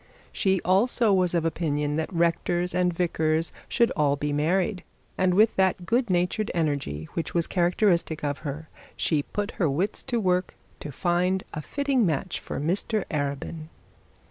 She, also, was of opinion, that rectors and vicars should all be married, and with that good natured energy which was characteristic of her, she put her wits to work to find a fitting match for Mr Arabin.